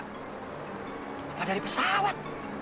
atau dari pesawat